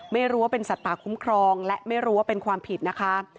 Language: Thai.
ไม่รู้ว่าเป็นสัตว์ป่าคุ้มครองและไม่รู้ว่าเป็นความผิดนะคะ